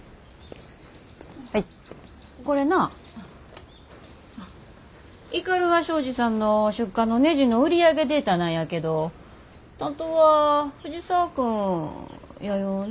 これな斑鳩商事さんの出荷のねじの売り上げデータなんやけど担当は藤沢君やよね？